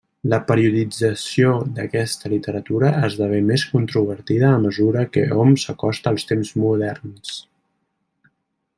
La periodització d'aquesta literatura esdevé més controvertida a mesura que hom s'acosta als temps moderns.